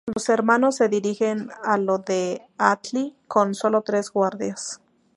Los hermanos se dirigen a lo de Atli con solo tres guardias.